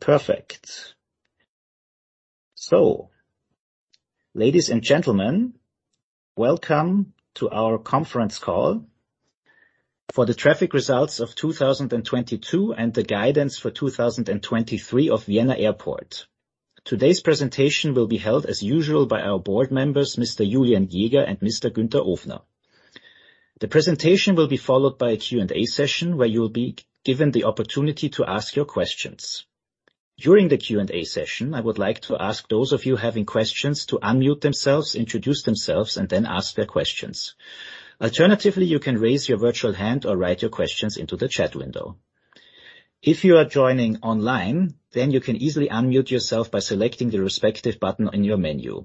Perfect. Ladies and gentlemen, welcome to our conference call for the traffic results of 2022 and the guidance for 2023 of Vienna Airport. Today's presentation will be held as usual by our board members, Mr. Julian Jäger and Mr. Günther Ofner. The presentation will be followed by a Q&A session where you will be given the opportunity to ask your questions. During the Q&A session, I would like to ask those of you having questions to unmute themselves, introduce themselves, and then ask their questions. Alternatively, you can raise your virtual hand or write your questions into the chat window. If you are joining online, you can easily unmute yourself by selecting the respective button in your menu.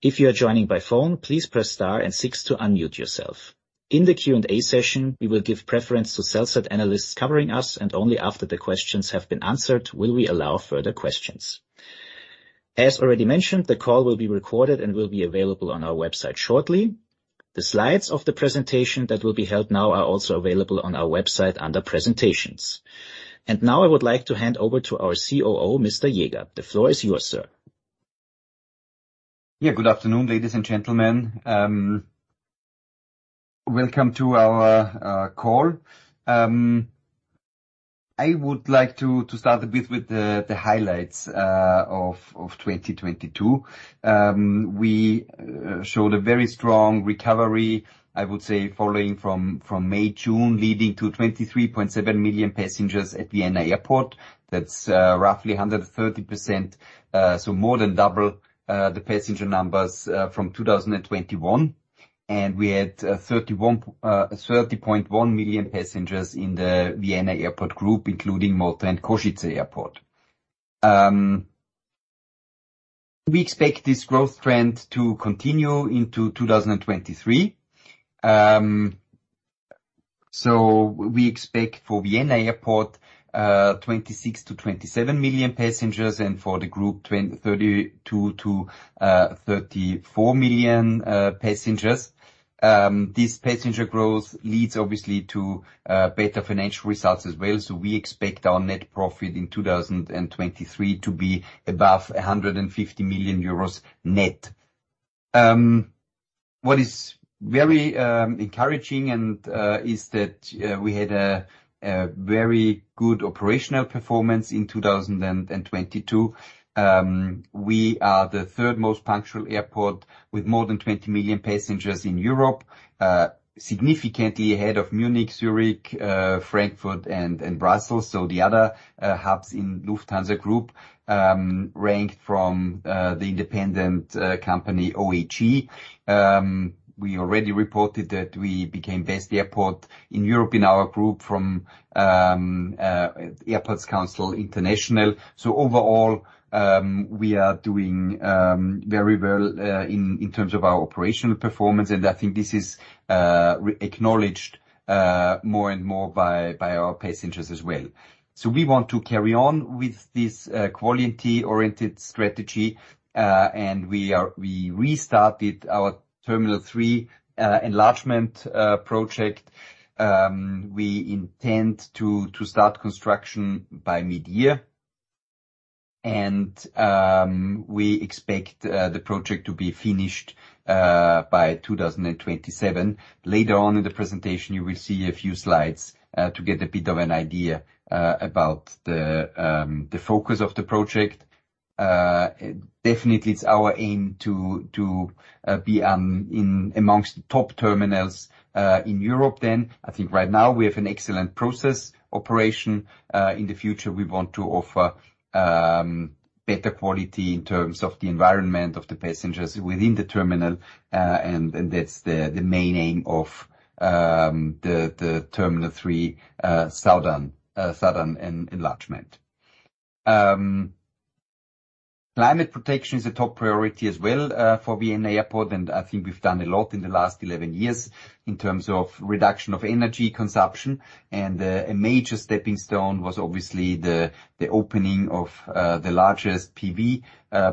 If you are joining by phone, please press star six to unmute yourself. In the Q&A session, we will give preference to sell-side analysts covering us, and only after the questions have been answered will we allow further questions. As already mentioned, the call will be recorded and will be available on our website shortly. The slides of the presentation that will be held now are also available on our website under presentations. Now I would like to hand over to our COO, Mr. Jäger. The floor is yours, sir. Yeah. Good afternoon, ladies and gentlemen. Welcome to our call. I would like to start a bit with the highlights of 2022. We showed a very strong recovery, I would say following from May, June, leading to 23.7 million passengers at Vienna Airport. That's roughly 130%, so more than double the passenger numbers from 2021. We had 30.1 million passengers in the Vienna Airport Group, including Malta and Košice Airport. We expect this growth trend to continue into 2023. We expect for Vienna Airport 26-27 million passengers and for the group 32-34 million passengers. This passenger growth leads obviously to better financial results as well. We expect our net profit in 2023 to be above 150 million euros net. What is very encouraging is that we had a very good operational performance in 2022. We are the third most punctual airport with more than 20 million passengers in Europe, significantly ahead of Munich, Zurich, Frankfurt, and Brussels. The other hubs in Lufthansa Group, ranked from the independent company OAG. We already reported that we became best airport in Europe in our group from Airports Council International. Overall, we are doing very well in terms of our operational performance, and I think this is re-acknowledged more and more by our passengers as well. We want to carry on with this quality-oriented strategy, and we restarted our Terminal 3 enlargement project. We intend to start construction by mid-year, and we expect the project to be finished by 2027. Later on in the presentation, you will see a few slides to get a bit of an idea about the focus of the project. Definitely, it's our aim to be in amongst the top terminals in Europe then. I think right now we have an excellent process operation. In the future, we want to offer better quality in terms of the environment of the passengers within the terminal, and that's the main aim of the Terminal 3 Southern Enlargement. Climate protection is a top priority as well for Vienna Airport, and I think we've done a lot in the last 11 years in terms of reduction of energy consumption. A major stepping stone was obviously the opening of the largest PV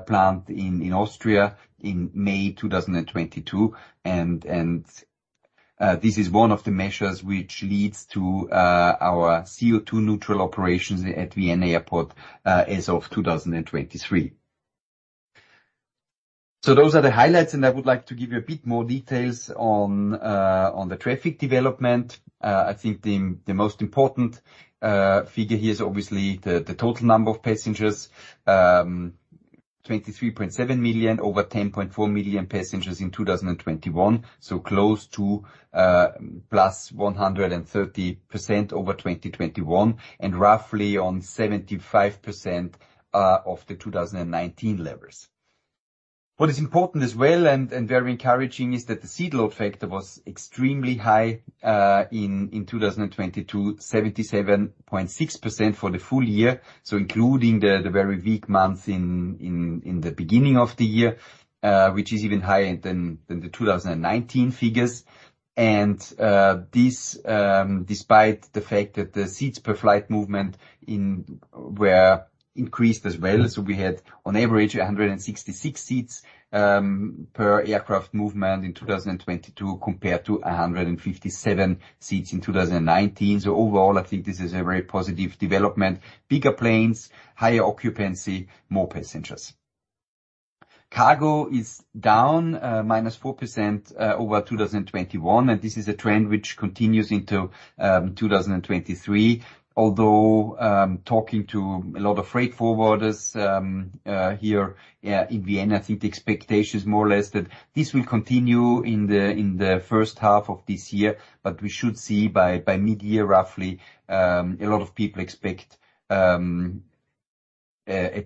plant in Austria in May 2022. This is one of the measures which leads to our CO₂ neutral operations at Vienna Airport as of 2023. Those are the highlights, and I would like to give you a bit more details on traffic development. I think the most important figure here is obviously the total number of passengers, 23.7 million, over 10.4 million passengers in 2021. Close to, plus 130% over 2021 and roughly on 75%, of the 2019 levels. What is important as well and very encouraging is that the seat load factor was extremely high, in 2022, 77.6% for the full year, so including the very weak month in the beginning of the year, which is even higher than the 2019 figures. This, despite the fact that the seats per flight movement were increased as well. We had on average 166 seats per aircraft movement in 2022, compared to 157 seats in 2019. Overall, I think this is a very positive development. Bigger planes, higher occupancy, more passengers. Cargo is down -4% over 2021, and this is a trend which continues into 2023. Although, talking to a lot of freight forwarders here in Vienna, I think the expectation is more or less that this will continue in the first half of this year, but we should see by mid-year, roughly, a lot of people expect a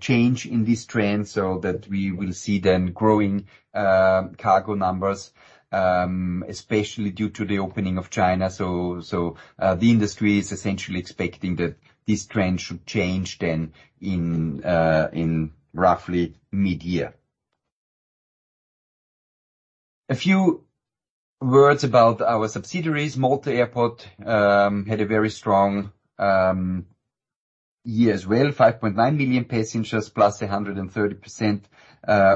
change in this trend so that we will see then growing cargo numbers, especially due to the opening of China. The industry is essentially expecting that this trend should change then in roughly mid-year. A few words about our subsidiaries. Malta Airport had a very strong year as well, 5.9 million passengers, +130%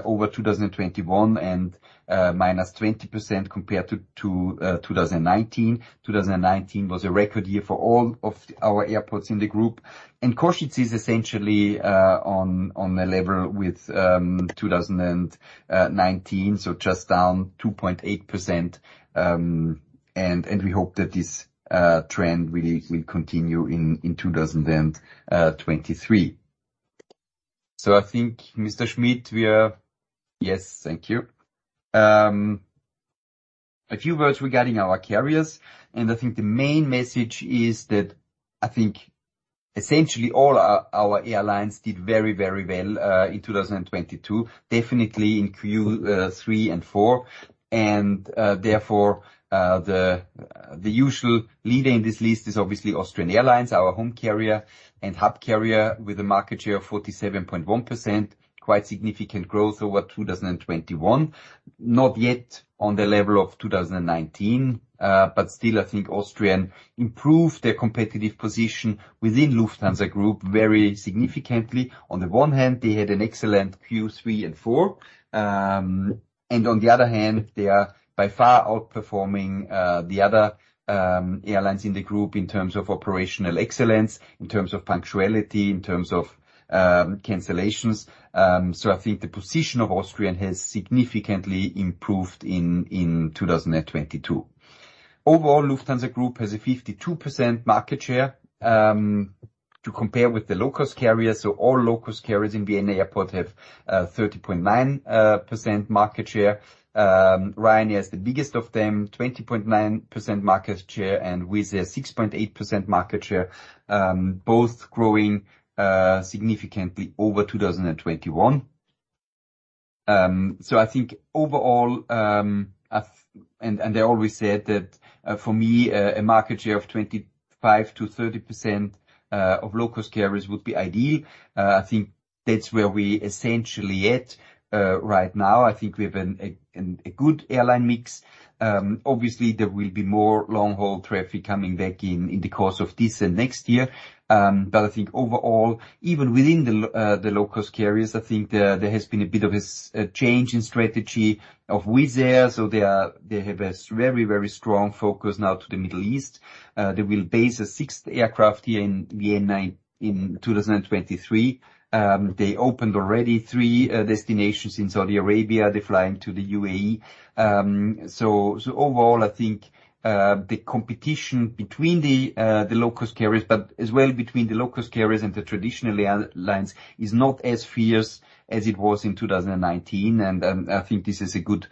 over 2021 and -20% compared to 2019. 2019 was a record year for all of our airports in the group. Košice is essentially on a level with 2019, so just down 2.8%, and we hope that this trend really will continue in 2023. I think Mr. Schmidt. Yes, thank you. A few words regarding our carriers, and I think the main message is that I think essentially all our airlines did very well in 2022, definitely in Q3 and Q4. Therefore, the usual leader in this list is obviously Austrian Airlines, our home carrier and hub carrier with a market share of 47.1%, quite significant growth over 2021. Not yet on the level of 2019, but still, I think Austrian improved their competitive position within Lufthansa Group very significantly. On the one hand, they had an excellent Q3 and Q4. On the other hand, they are by far outperforming the other airlines in the group in terms of operational excellence, in terms of punctuality, in terms of cancellations. I think the position of Austrian Airlines has significantly improved in 2022. Overall, Lufthansa Group has a 52% market share to compare with the low-cost carriers. All low-cost carriers in Vienna Airport have 30.9% market share. Ryanair is the biggest of them, 20.9% market share and Wizz Air, 6.8% market share, both growing significantly over 2021. I think overall, I always said that for me, a market share of 25%-30% of low-cost carriers would be ideal. I think that's where we essentially at right now. I think we have a good airline mix. Obviously, there will be more long-haul traffic coming back in the course of this and next year. But I think overall, even within the low-cost carriers, I think there has been a bit of a change in strategy of Wizz Air. They have a very strong focus now to the Middle East. They will base a sixth aircraft here in Vienna in 2023. They opened already three destinations in Saudi Arabia. They're flying to the UAE. Overall, I think the competition between the low-cost carriers, but as well between the low-cost carriers and the traditional airlines, is not as fierce as it was in 2019. I think this is a good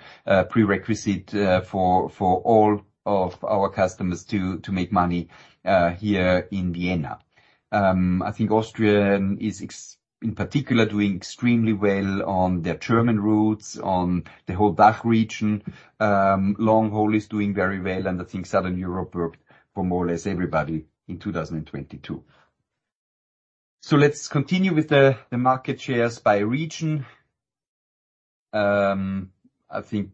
prerequisite for all of our customers to make money here in Vienna. I think Austrian is in particular doing extremely well on their German routes, on the whole DACH region. Long-haul is doing very well, and I think Southern Europe worked for more or less everybody in 2022. Let's continue with the market shares by region. I think,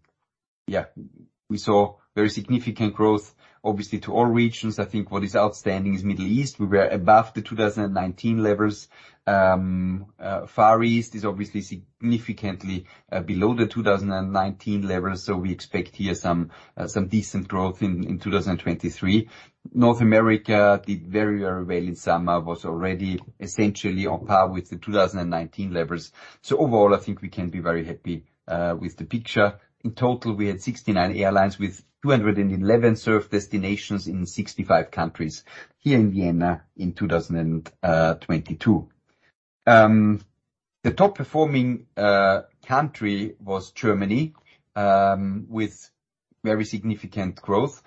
yeah, we saw very significant growth, obviously, to all regions. I think what is outstanding is Middle East. We were above the 2019 levels. Far East is obviously significantly below the 2019 levels. We expect here some decent growth in 2023. North America did very, very well in summer, was already essentially on par with the 2019 levels. Overall, I think we can be very happy with the picture. In total, we had 69 airlines with 211 served destinations in 65 countries here in Vienna in 2022. The top performing country was Germany with very significant growth.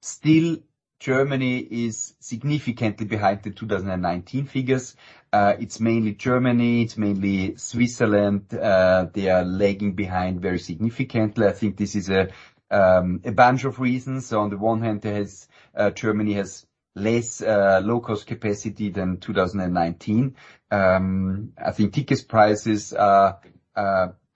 Still, Germany is significantly behind the 2019 figures. It's mainly Germany, it's mainly Switzerland. They are lagging behind very significantly. I think this is a bunch of reasons. On the one hand, there's Germany has less low-cost capacity than 2019. I think ticket prices are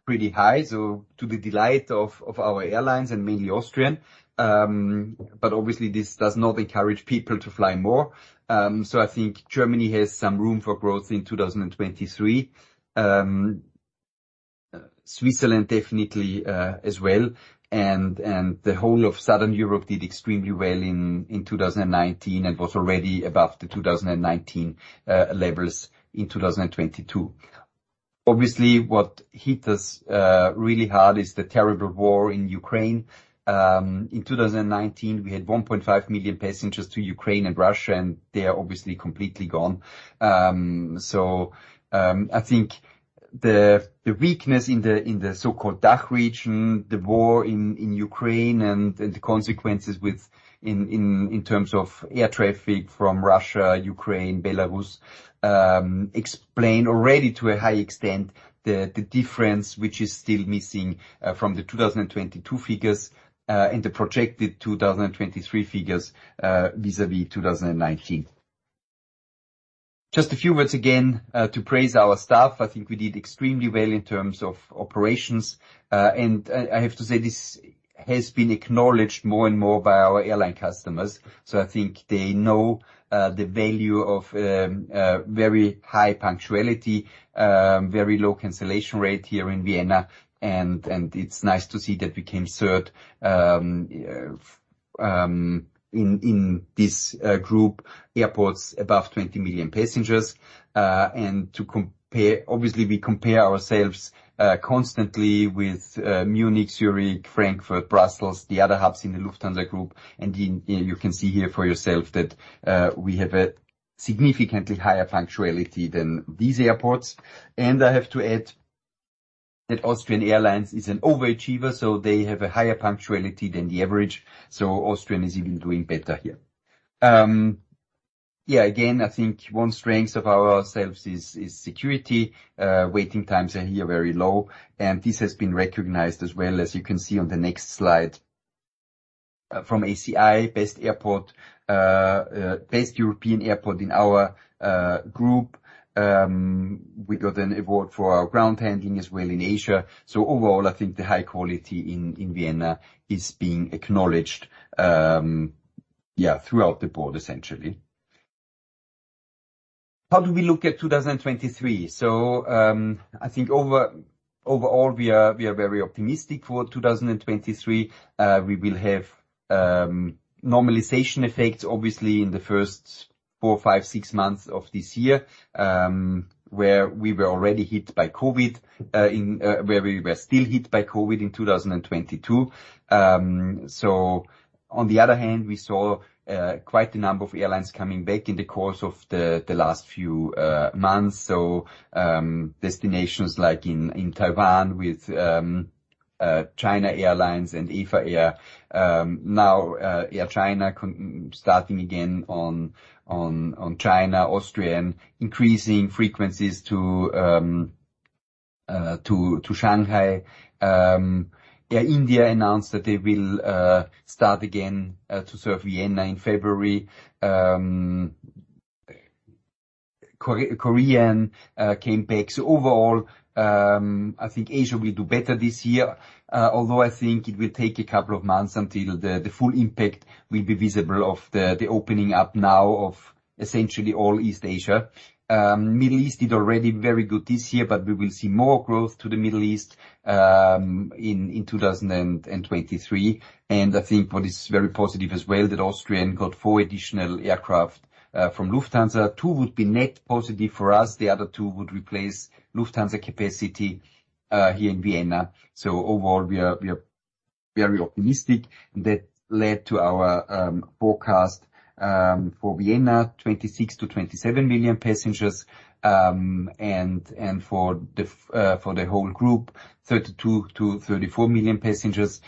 pretty high, so to the delight of our airlines and mainly Austrian. Obviously, this does not encourage people to fly more. I think Germany has some room for growth in 2023. Switzerland definitely as well. The whole of Southern Europe did extremely well in 2019 and was already above the 2019 levels in 2022. Obviously, what hit us really hard is the terrible war in Ukraine. In 2019, we had 1.5 million passengers to Ukraine and Russia, and they are obviously completely gone. I think the weakness in the so-called DACH region, the war in Ukraine and the consequences with... In terms of air traffic from Russia, Ukraine, Belarus, explain already to a high extent the difference which is still missing from the 2022 figures and the projected 2023 figures vis-a-vis 2019. Just a few words again to praise our staff. I think we did extremely well in terms of operations. I have to say, this has been acknowledged more and more by our airline customers. I think they know the value of very high punctuality, very low cancellation rate here in Vienna. It's nice to see that we came third in this group, airports above 20 million passengers. To compare. Obviously, we compare ourselves constantly with Munich, Zurich, Frankfurt, Brussels, the other hubs in the Lufthansa Group. You can see here for yourself that we have a significantly higher punctuality than these airports. I have to add that Austrian Airlines is an overachiever, so they have a higher punctuality than the average. Austrian is even doing better here. Yeah, again, I think one strength of ourselves is security. Waiting times are here very low, and this has been recognized as well, as you can see on the next slide, from ACI, best airport, best European airport in our group. We got an award for our ground handling as well in Asia. Overall, I think the high quality in Vienna is being acknowledged, yeah, throughout the board, essentially. How do we look at 2023? Overall, we are very optimistic for 2023. We will have normalization effects, obviously, in the first four, five, six months of this year, where we were still hit by COVID in 2022. On the other hand, we saw quite a number of airlines coming back in the course of the last few months. Destinations like in Taiwan with China Airlines and EVA Air. Now, Air China starting again on China, Austrian increasing frequencies to Shanghai. Air India announced that they will start again to serve Vienna in February. Korean Air came back. Overall, I think Asia will do better this year, although I think it will take a couple of months until the full impact will be visible of the opening up now of essentially all East Asia. Middle East did already very good this year, but we will see more growth to the Middle East in 2023. I think what is very positive as well that Austrian got four additional aircraft from Lufthansa. Two would be net positive for us, the other two would replace Lufthansa capacity here in Vienna. Overall, we are very optimistic. That led to our forecast for Vienna, 26 million-27 million passengers. And for the whole group, 32 million-34 million passengers.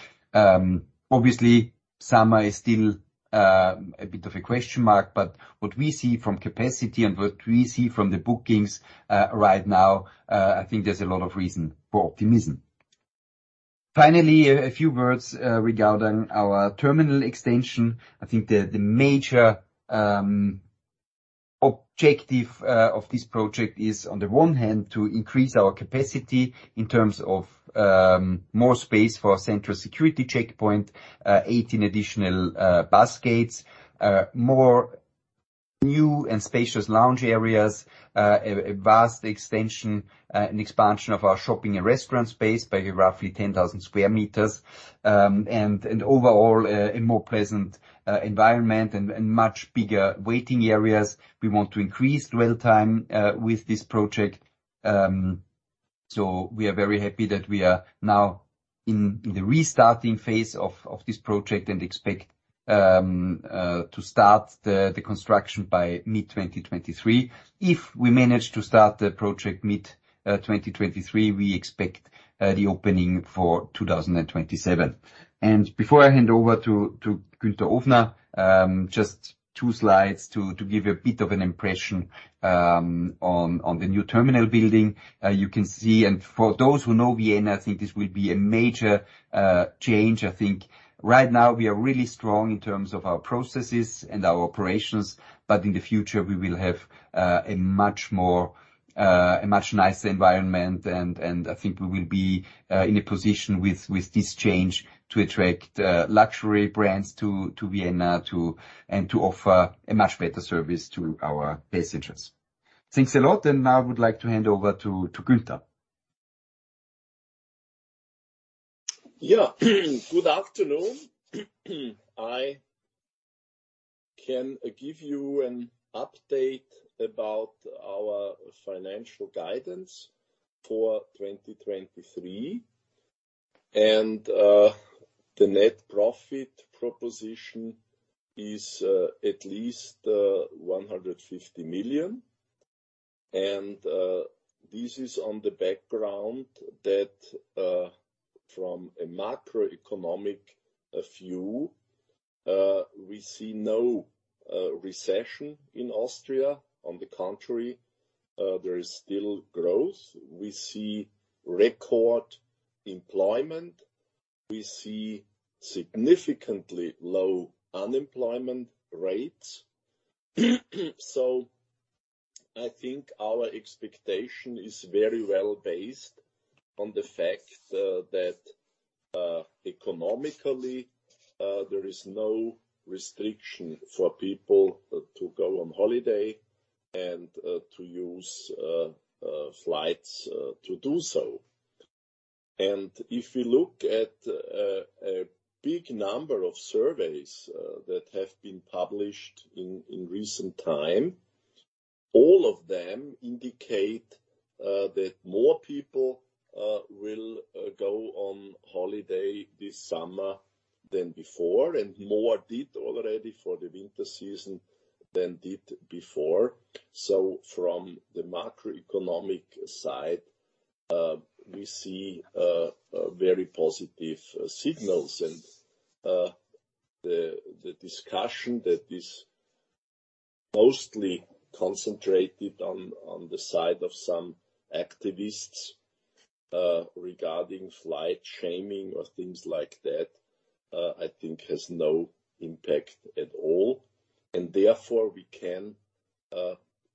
Obviously, summer is still a bit of a question mark, but what we see from capacity and what we see from the bookings right now, I think there's a lot of reason for optimism. Finally, a few words regarding our terminal extension. I think the major objective of this project is, on the one hand, to increase our capacity in terms of more space for central security checkpoint, 18 additional bus gates, more new and spacious lounge areas, a vast extension and expansion of our shopping and restaurant space by roughly 10,000 square meters. Overall a more pleasant environment and much bigger waiting areas. We want to increase dwell time with this project. We are very happy that we are now in the restarting phase of this project and expect to start the construction by mid 2023. If we manage to start the project mid 2023, we expect the opening for 2027. Before I hand over to Günther Ofner, just two slides to give a bit of an impression on the new terminal building you can see. For those who know Vienna, I think this will be a major change. I think right now we are really strong in terms of our processes and our operations. In the future, we will have a much more a much nicer environment, and I think we will be in a position with this change to attract luxury brands to Vienna and to offer a much better service to our passengers. Thanks a lot. Now I would like to hand over to Günther. Good afternoon. I can give you an update about our financial guidance for 2023. The net profit proposition is at least 150 million. This is on the background that from a macroeconomic view, we see no recession in Austria. On the contrary, there is still growth. We see record employment. We see significantly low unemployment rates. I think our expectation is very well based on the fact that economically, there is no restriction for people to go on holiday and to use flights to do so. If you look at a big number of surveys that have been published in recent time, all of them indicate that more people will go on holiday this summer than before, and more did already for the winter season than did before. From the macroeconomic side, we see very positive signals. The discussion that is mostly concentrated on the side of some activists regarding flight shaming or things like that, I think has no impact at all. Therefore, we can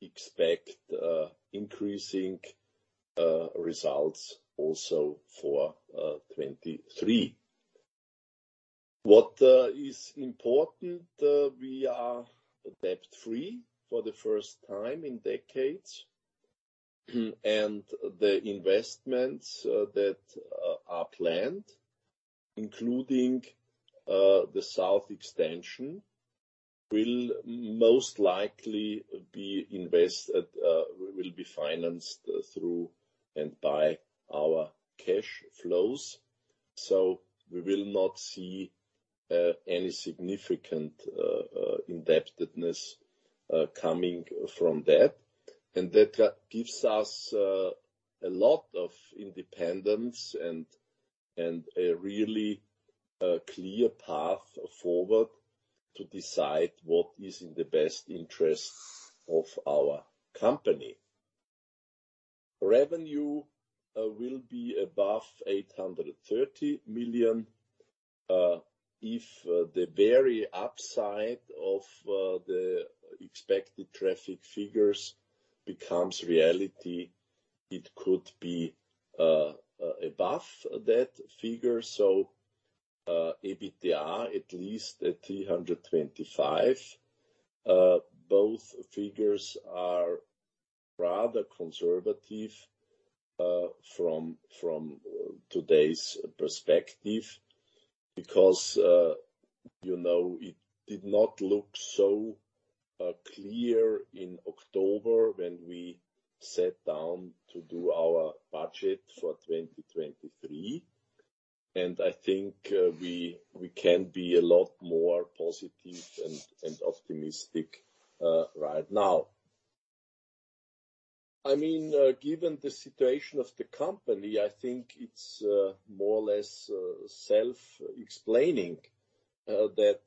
expect increasing results also for 2023. What is important, we are debt-free for the first time in decades. The investments that are planned, including the Southern Expansion, will most likely be financed through and by our cash flows. We will not see any significant indebtedness coming from that. That gives us a lot of independence and a really clear path forward to decide what is in the best interest of our company. Revenue will be above 830 million. If the very upside of the expected traffic figures becomes reality, it could be above that figure. EBITDA at least at 325 million. Both figures are rather conservative from today's perspective, because, you know, it did not look so clear in October when we sat down to do our budget for 2023. I think, we can be a lot more positive and optimistic right now. I mean, given the situation of the company, I think it's more or less self-explaining that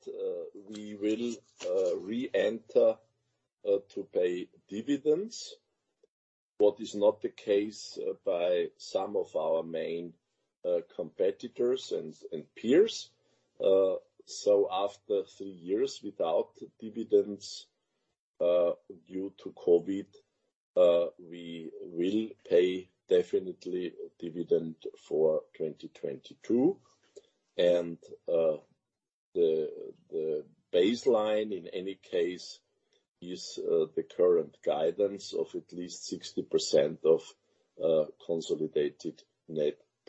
we will re-enter to pay dividends. What is not the case by some of our main competitors and peers. After three years without dividends, due to COVID, we will pay definitely dividend for 2022. The baseline, in any case, is the current guidance of at least 60% of consolidated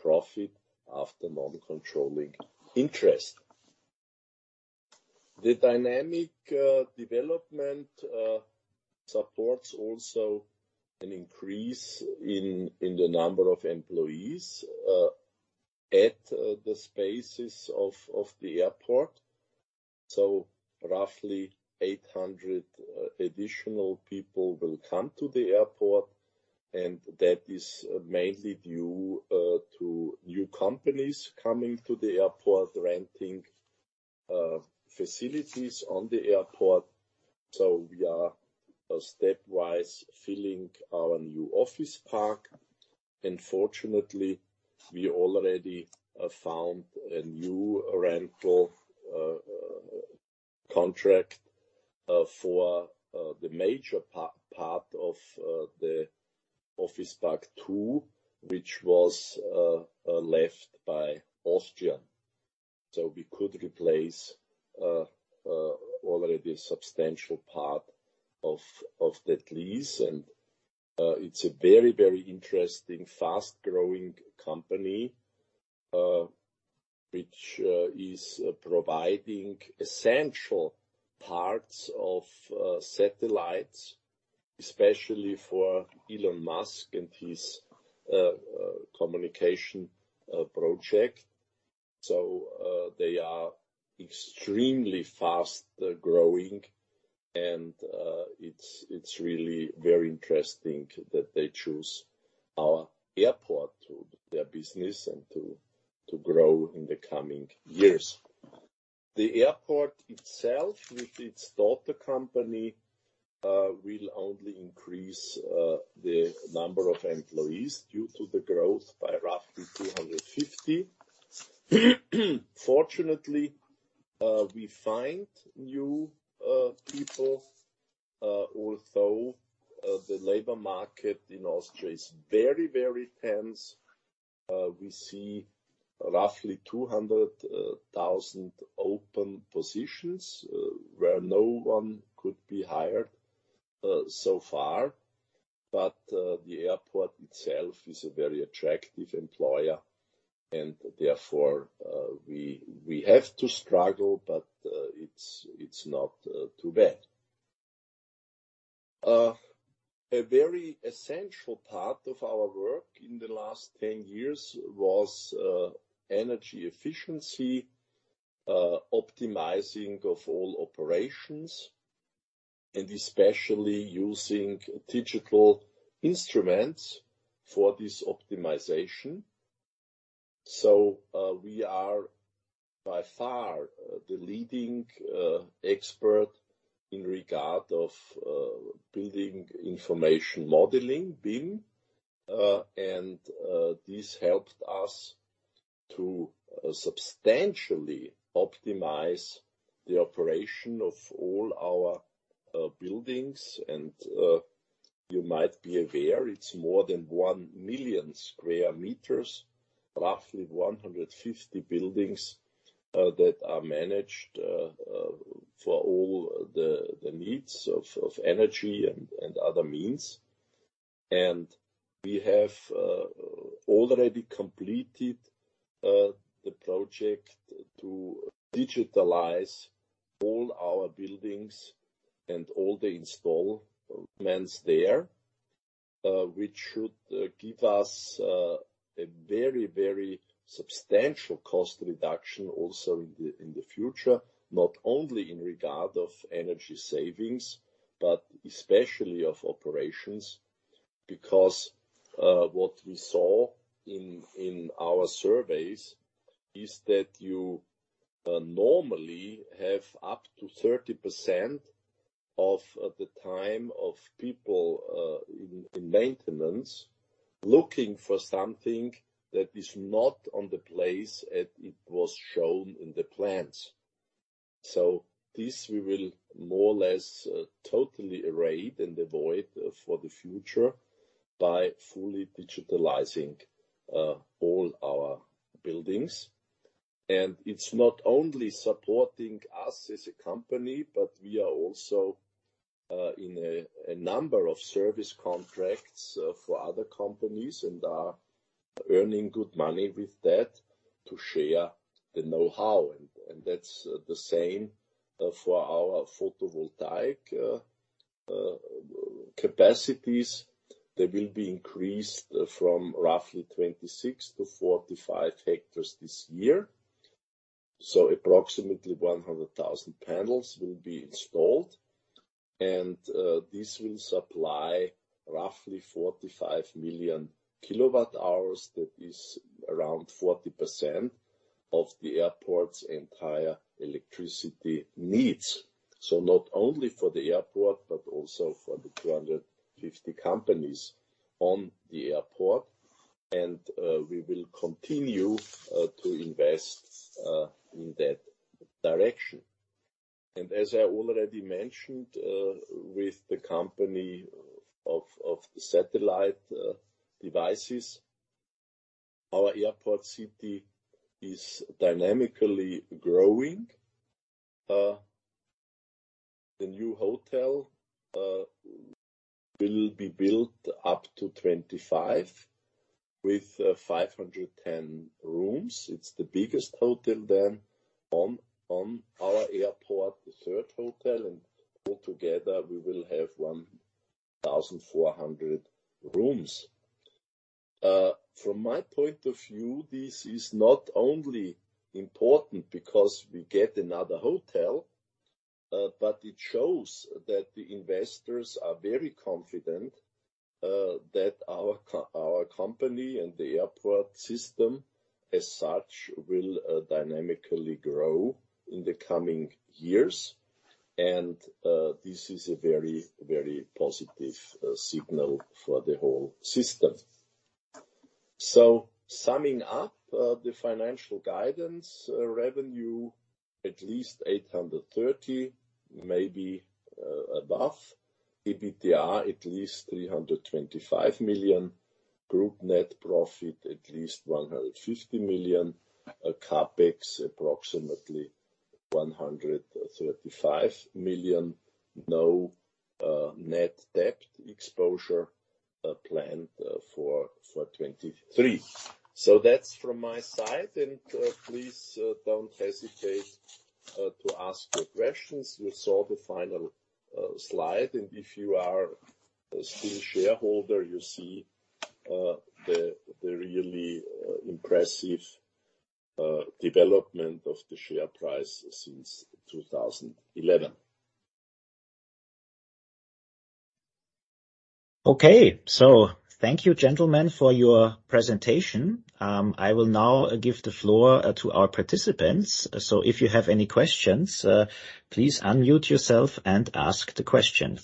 net profit after non-controlling interest. The dynamic development supports also an increase in the number of employees at the spaces of the airport. Roughly 800 additional people will come to the airport, and that is mainly due to new companies coming to the airport, renting facilities on the airport. We are stepwise filling our new office park. Fortunately, we already found a new rental contract for the major part of the Office Park two, which was left by Austrian Airlines. We could replace already a substantial part of that lease. It's a very, very interesting, fast-growing company which is providing essential parts of satellites, especially for Elon Musk and his communication project. They are extremely fast growing and it's really very interesting that they choose our airport to do their business and to grow in the coming years. The airport itself, with its daughter company, will only increase the number of employees due to the growth by roughly 250. Fortunately, we find new people, although the labor market in Austria is very, very tense. We see roughly 200,000 open positions where no one could be hired so far. The airport itself is a very attractive employer and therefore, we have to struggle, but, it's not too bad. A very essential part of our work in the last 10 years was energy efficiency, optimizing of all operations, and especially using digital instruments for this optimization. We are by far the leading expert in regard of Building Information Modeling, BIM. This helped us to substantially optimize the operation of all our buildings. You might be aware, it's more than 1 million square meters, roughly 150 buildings that are managed for all the needs of energy and other means. We have already completed the project to digitalize all our buildings and all the install. Which should give us a very very substancial cost reduction also in the future, not only in regard of Energy savings, but especially of operations. Because what we saw in our surveys, is that you normally have up to 30% of the time of people in maintenance looking for something that is not on the place, and it was shown in the plans. So this should be more or less talked in the rate and the void for the future. By truly merchandizing all our buildings. And it's not only supporting us as a company, but we are also in a number of service contracts for other companies and we are running good money to share in the Holland, and that's the same for our photovoltaic. Capacities will be increased from roughly 26 to 45 hectares this year. So approximately 100, 000 panels will be installed and this should supply 45 million kilowatt hours that is, around 40% of the airport's entire electricity needs, so not only for the airport, but also for the 250 companies on the airport, and we will continue to invest in that direction. As I already mentioned with the company of the satellite devices, Is dynamically growing. The new hotel will be built up to 25. With 510 rooms, its the biggest hotel on our airport, the circle Talent all together. We will have 1400 rooms. From my point of view, this is not only important because we get another hotel, but it shows that the investors are very confident that our company and the airport system as such will dynamically grow in the coming years. This is a very, very positive signal for the whole system. Summing up, the financial guidance revenue, at least 830, maybe above. EBITDA, at least 325 million. Group net profit at least 150 million. CapEx approximately 135 million. No net debt exposure planned for 2023. That's from my side, and please don't hesitate to ask your questions. You saw the final slide. If you are a still shareholder, you see the really impressive development of the share price since 2011. Okay. Thank you, gentlemen, for your presentation. I will now give the floor to our participants. If you have any questions, please unmute yourself and ask the question.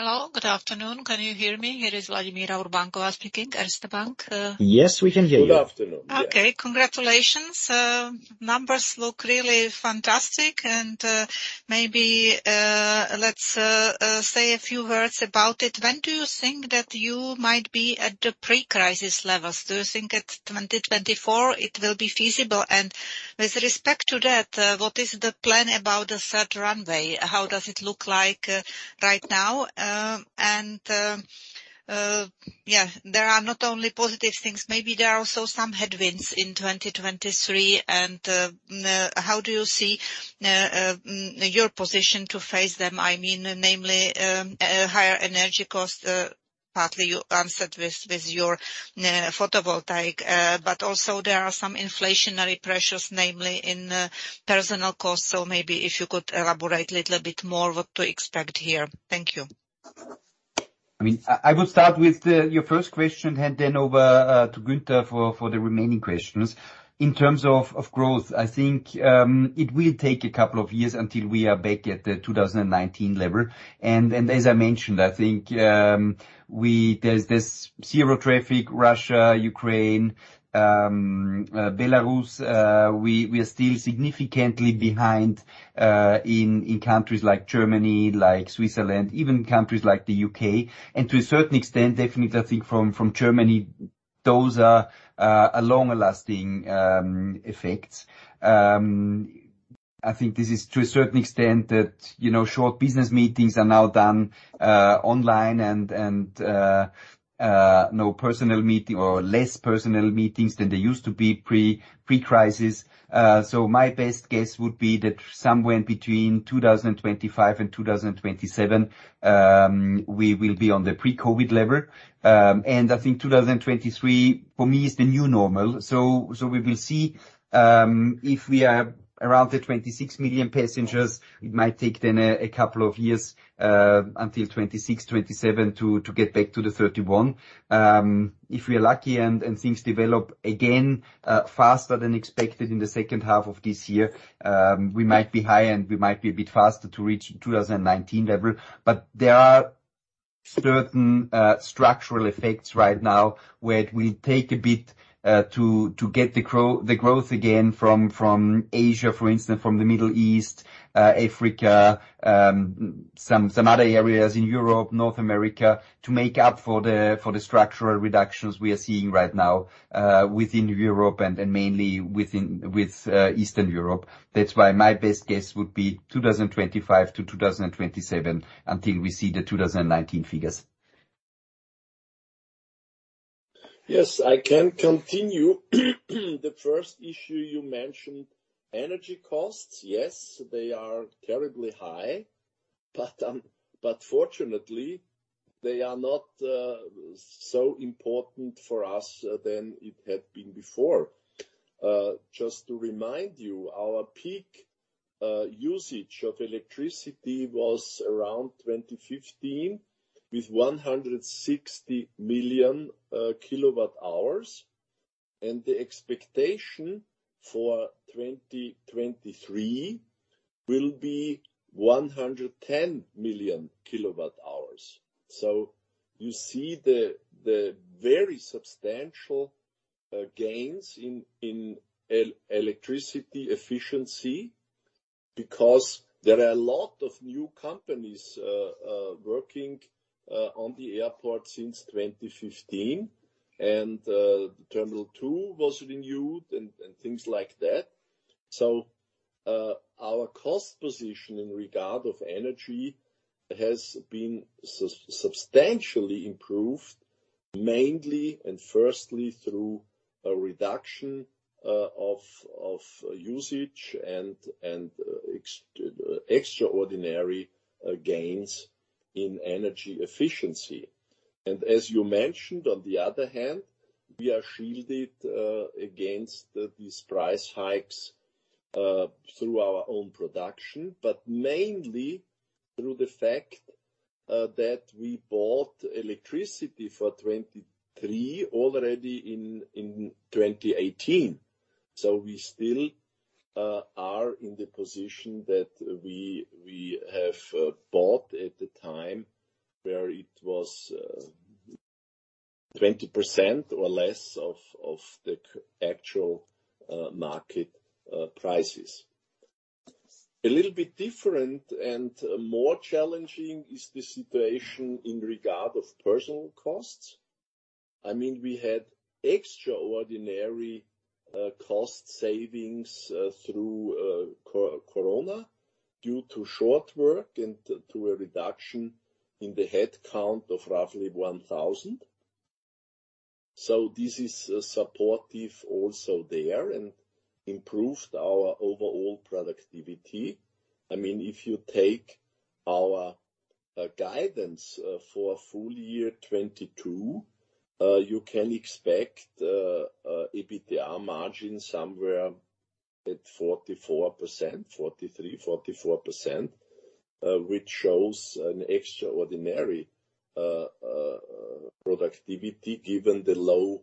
Thank you. Hello. Good afternoon. Can you hear me? It is Vladimíra Urbánková speaking, Erste Bank. Yes, we can hear you. Good afternoon. Yeah. Okay. Congratulations. Numbers look really fantastic and maybe let's say a few words about it. When do you think that you might be at the pre-crisis levels? Do you think it's 2024 it will be feasible? With respect to that, what is the plan about the third runway? How does it look like right now? And yeah. There are not only positive things, maybe there are also some headwinds in 2023 and how do you see your position to face them? I mean, namely, higher energy costs, partly you answered with your photovoltaic. But also there are some inflationary pressures, namely in personal costs. Maybe if you could elaborate a little bit more what to expect here. Thank you. I mean, I will start with your first question hand then over to Günther for the remaining questions. In terms of growth, I think, it will take a couple of years until we are back at the 2019 level. As I mentioned, I think, there's this zero traffic Russia, Ukraine, Belarus, we are still significantly behind in countries like Germany, like Switzerland, even countries like the U.K. To a certain extent, definitely I think from Germany, those are a longer lasting effects. I think this is to a certain extent that, you know, short business meetings are now done online and no personal meeting or less personal meetings than they used to be pre-crisis. My best guess would be that somewhere between 2025 and 2027, we will be on the pre-COVID level. I think 2023 for me is the new normal. We will see if we are around the 26 million passengers, it might take a couple of years until 2026, 2027 to get back to the 31. If we are lucky and things develop again faster than expected in the second half of this year, we might be high and we might be a bit faster to reach 2019 level. There are certain structural effects right now where it will take a bit to get the growth again from Asia, for instance, from the Middle East, Africa, some other areas in Europe, North America, to make up for the structural reductions we are seeing right now within Europe and mainly within Eastern Europe. That's why my best guess would be 2025-2027 until we see the 2019 figures. Yes, I can continue. The first issue you mentioned, energy costs. Yes, they are terribly high, but fortunately they are not so important for us than it had been before. Just to remind you, our peak usage of electricity was around 2015 with 160 million kilowatt-hours, and the expectation for 2023 will be 110 million kilowatt-hours. So you see the very substantial gains in electricity efficiency because there are a lot of new companies working on the airport since 2015, and Terminal 2 was renewed and things like that. So, our cost position in regard of energy has been substantially improved, mainly and firstly through a reduction of usage and extraordinary gains in energy efficiency. As you mentioned, on the other hand, we are shielded against these price hikes through our own production, but mainly through the fact that we bought electricity for 2023 already in 2018. We still are in the position that we have bought at the time where it was 20% or less of the actual market prices. A little bit different and more challenging is the situation in regard of personal costs. I mean, we had extraordinary cost savings through corona due to short work and to a reduction in the head count of roughly 1,000. This is supportive also there and improved our overall productivity. I mean, if you take our guidance for full year 2022, you can expect EBITDA margin somewhere at 44%, 43%-44%, which shows an extraordinary productivity given the low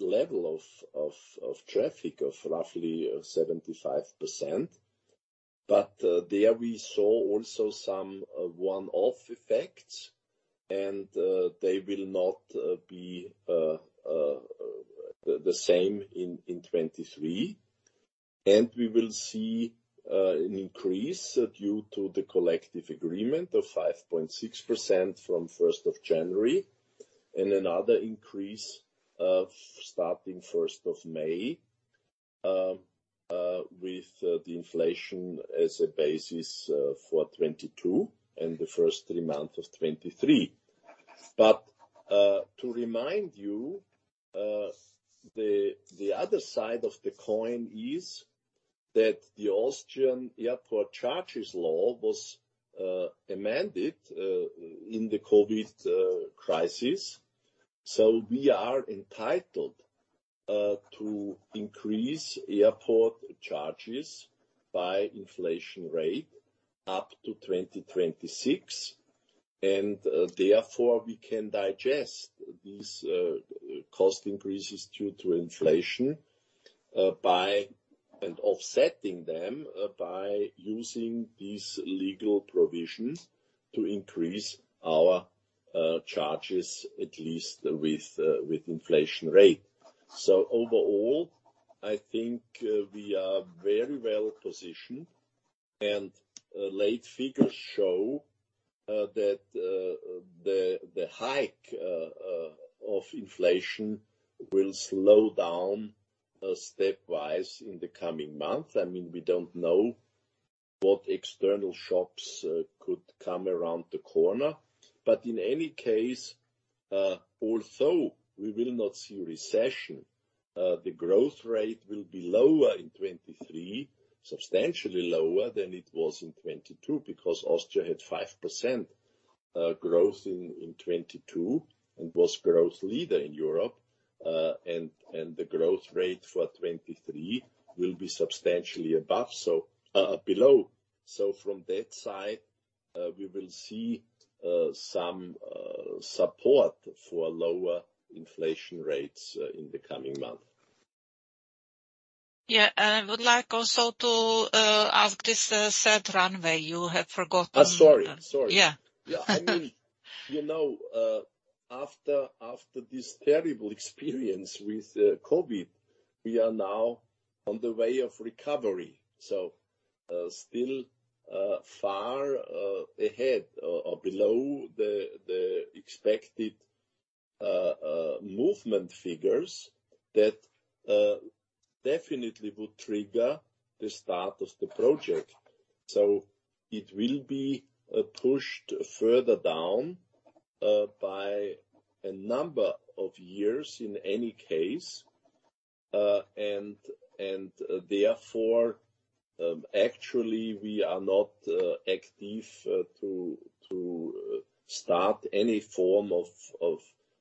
level of traffic of roughly 75%. There we saw also some one-off effects and they will not be the same in 2023. We will see an increase due to the collective agreement of 5.6% from 1st of January, and another increase of starting 1st of May with the inflation as a basis for 2022 and the first three months of 2023. To remind you, the other side of the coin is that the Austrian airport charges law was amended in the COVID crisis. We are entitled to increase airport charges by inflation rate up to 2026, and therefore, we can digest these cost increases due to inflation by offsetting them by using these legal provisions to increase our charges, at least with inflation rate. Overall, I think we are very well-positioned, and late figures show that the hike of inflation will slow down stepwise in the coming months. I mean, we don't know what external shocks could come around the corner. In any case, although we will not see recession, the growth rate will be lower in 2023, substantially lower than it was in 2022, because Austria had 5% growth in 2022 and was growth leader in Europe. The growth rate for 2023 will be substantially above, below. From that side, we will see some support for lower inflation rates in the coming months. I would like also to ask this third runway you have forgotten? Oh, sorry. Sorry. Yeah. Yeah. I mean, you know, after this terrible experience with COVID, we are now on the way of recovery. Still, far ahead or below the expected movement figures that definitely would trigger the start of the project. It will be pushed further down by a number of years in any case. Therefore, actually, we are not active to start any form of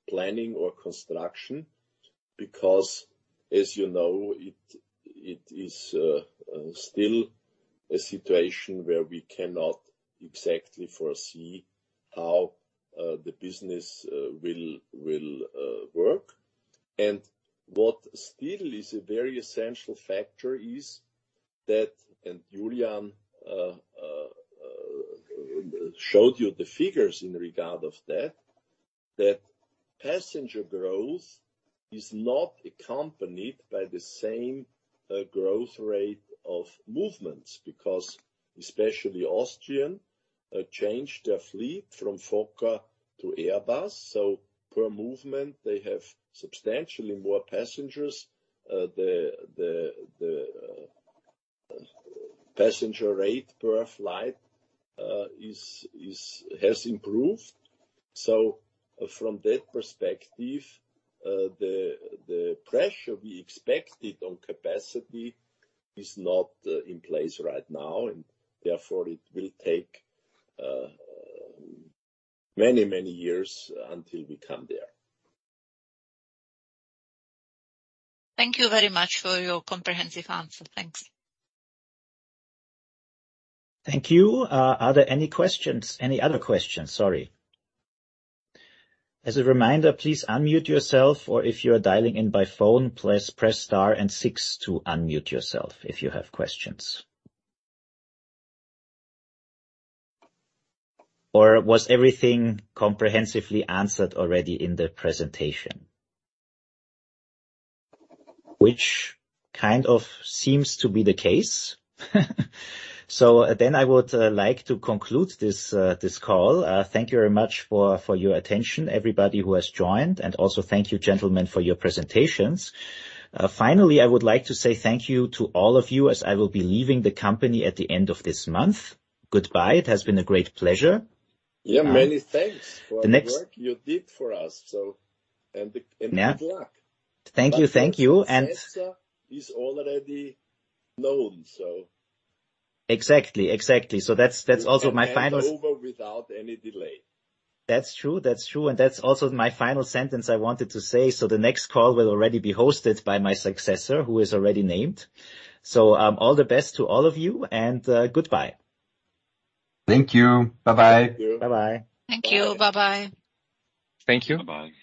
planning or construction because, as you know, it is still a situation where we cannot exactly foresee how the business will work. What still is a very essential factor is that, and Julian showed you the figures in regard of that passenger growth is not accompanied by the same growth rate of movements because especially Austrian changed their fleet from Fokker to Airbus. Per movement, they have substantially more passengers. The passenger rate per flight has improved. From that perspective, the pressure we expected on capacity is not in place right now, and therefore it will take many, many years until we come there. Thank you very much for your comprehensive answer. Thanks. Thank you. Are there any questions? Any other questions? Sorry. As a reminder, please unmute yourself, or if you are dialing in by phone, please press star six to unmute yourself if you have questions. Or was everything comprehensively answered already in the presentation? Which kind of seems to be the case. I would like to conclude this call. Thank you very much for your attention, everybody who has joined. Also thank you, gentlemen, for your presentations. Finally, I would like to say thank you to all of you as I will be leaving the company at the end of this month. Goodbye. It has been a great pleasure. Yeah. Many thanks. The next- the work you did for us, so. Good luck. Thank you. Thank you. Successor is already known, so. Exactly. Exactly. That's also my final. You can hand over without any delay. That's true. That's true. That's also my final sentence I wanted to say. The next call will already be hosted by my successor, who is already named. All the best to all of you, and, goodbye. Thank you. Bye bye. Bye bye. Thank you. Bye bye. Thank you. Bye bye.